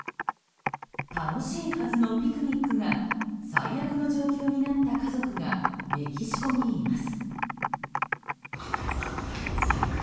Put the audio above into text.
楽しいはずのピクニックが最悪の状況になった家族がメキシコにいます。